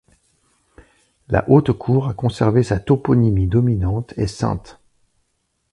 La haute-cour a conservé sa toponymie dominante et ceinte.